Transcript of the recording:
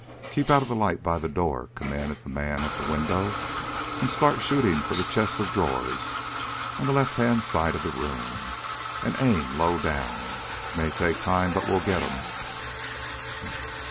"Keep out of the light by the door," commanded the man at the window. "And start shooting for the chest of drawers on the left hand side of the room and aim low down. It may take time, but we'll get him!"